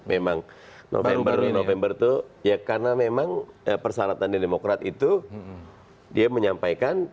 memang november november itu ya karena memang persyaratan dari demokrat itu dia menyampaikan